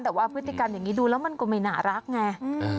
แต่ว่าพฤติกรรมอย่างนี้ดูแล้วมันก็ไม่น่ารักไง